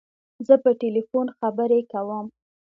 زه په تلیفون خبری کوم.